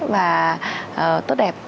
và tốt đẹp